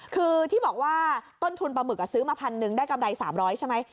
คือที่บอกว่าต้นทุนปลาหมึกซื้อมาพันหนึ่งได้กำไร๓๐๐ใช่ไหม